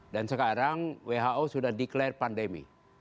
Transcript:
dan sekarang who sudah deklarasi pandemi